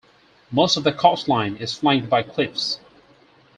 Most of the coastline is flanked by cliffs.